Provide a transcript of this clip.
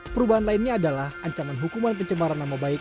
perubahan lainnya adalah ancaman hukuman pencemaran nama baik